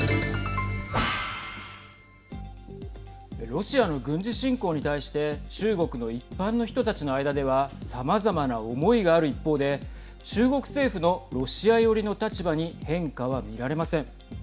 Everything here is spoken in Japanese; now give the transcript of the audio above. ロシアの軍事侵攻に対して中国の一般の人たちの間ではさまざまな思いがある一方で中国政府のロシア寄りの立場に変化は見られません。